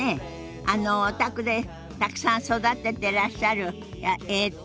あのお宅でたくさん育ててらっしゃるえっと。